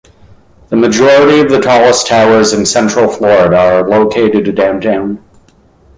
The majority of the tallest towers in Central Florida are located downtown.